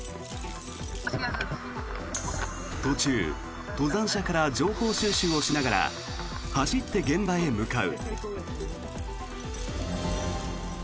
途中、登山者から情報収集をしながら走って現場へ向かう。